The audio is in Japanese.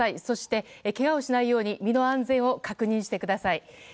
そして、けがをしないように身の安全を確保してください。